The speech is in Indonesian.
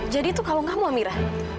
jadi itu kalau kamu amira